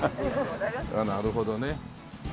なるほどね。